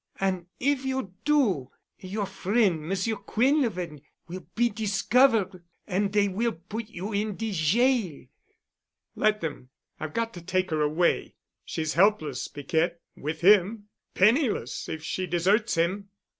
An' if you do, your friend Monsieur Quinlevin will be discover' and dey will put you in de jail——" "Let them. I've got to take her away. She's helpless, Piquette, with him—penniless, if she deserts him."